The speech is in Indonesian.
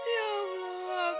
ya allah abang